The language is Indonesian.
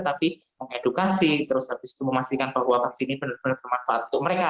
tapi mengedukasi terus habis itu memastikan bahwa vaksin ini benar benar bermanfaat untuk mereka